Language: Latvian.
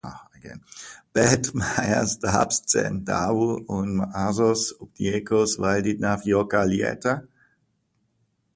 Bet mājās darbs dzen darbu un mazos Upeniekus valdīt nav joka lieta.